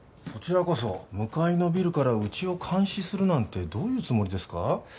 そちらこそ向かいのビルからうちを監視するなんてどういうつもりですか？